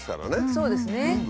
そうですね。